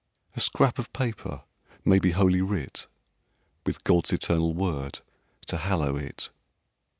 "A scrap of paper may be Holy Writ With God's eternal word to hallow it.